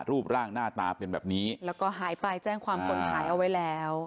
รูปร่างหน้าตาเป็นแบบนี้แล้วก็หายไปแจ้งความคนหายเอาไว้แล้ว